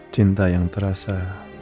cinta yang terasa